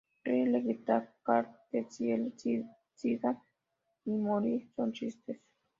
Kyle le grita a Cartman que ni el sida ni morir son chistes.